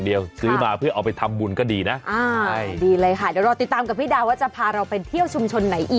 เดี๋ยวมาดูกันนะว่าครั้งหน้าเราจะพาไปเที่ยวไหน